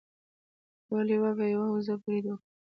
یو لیوه په یوه وزه برید وکړ.